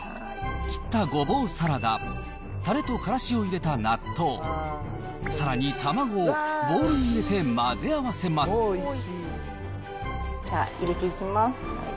切ったごぼうサラダ、たれとからしを入れた納豆、さらに卵をボウルに入れて混ぜ合わせじゃあ、入れていきます。